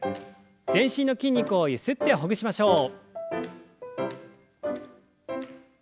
全身の筋肉をゆすってほぐしましょう。